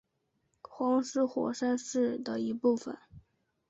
黄石火山是的一部分。